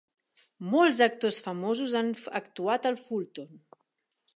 Molts actors famosos han actuat al Fulton.